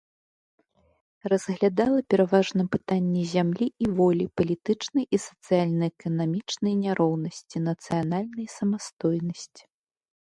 Разглядала пераважна пытанні зямлі і волі, палітычнай і сацыяльна-эканамічнай няроўнасці, нацыянальнай самастойнасці.